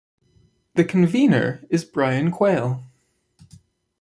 The convenor is Brian Quail.